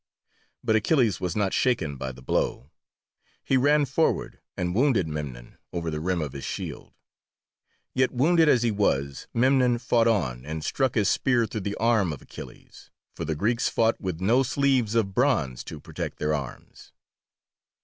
But Achilles was not shaken by the blow; he ran forward, and wounded Memnon over the rim of his shield. Yet wounded as he was Memnon fought on and struck his spear through the arm of Achilles, for the Greeks fought with no sleeves of bronze to protect their arms.